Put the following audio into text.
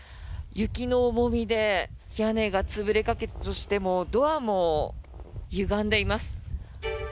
雪の重みで屋根が潰れかけそして、ドアもゆがんでいます。